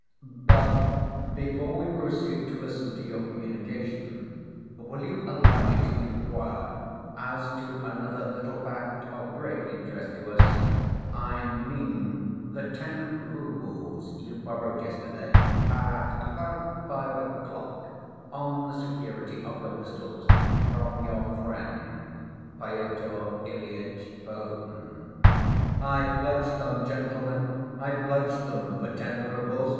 But before we proceed to listen to your communication, will you allow me to inquire as to another little fact of great interest to us? I mean the ten roubles you borrowed yesterday at about five o'clock on the security of your pistols, from your friend, Pyotr Ilyitch Perhotin." "I pledged them, gentlemen. I pledged them for ten roubles.